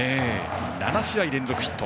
７試合連続ヒット。